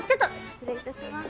失礼いたします。